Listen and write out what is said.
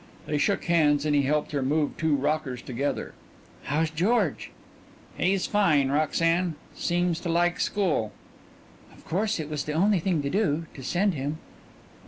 They shook hands and he helped her move two rockers together. "How's George?" "He's fine, Roxanne. Seems to like school." "Of course it was the only thing to do, to send him."